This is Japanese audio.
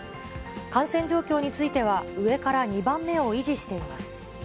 感染状況については、上から２番目を維持しています。